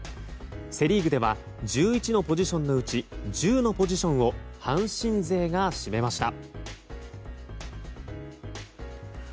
セ・リーグでは１１のポジションのうち１０のポジションを阪神勢が占めました。